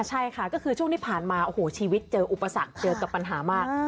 ใช่ค่ะก็คือช่วงที่ผ่านมาโอ้โหชีวิตเจออุปสรรคเจอกับปัญหามาก